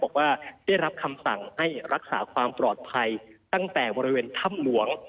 บอกว่าได้รับคำสั่งให้รักษาความปลอดภัยตั้งแต่บริเวณถ้ำหลวง